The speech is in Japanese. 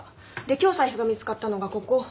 で今日財布が見つかったのがここ。